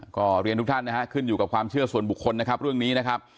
ก็เรียนทุกท่านนะฮะขึ้นอยู่กับความเชื่อส่วนบุคคลนะครับเรื่องนี้นะครับ